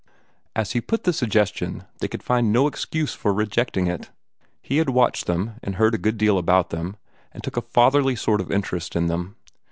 As he put the suggestion, they could find no excuse for rejecting it. He had watched them, and heard a good deal about them, and took a fatherly sort of interest in them.